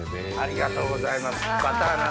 ありがとうございます。